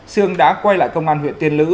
sương đã quay lại công an huyện tiên lữ